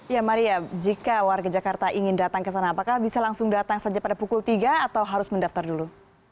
ya maria jika warga jakarta ingin datang ke sana apakah bisa langsung datang saja pada pukul tiga atau harus mendaftar dulu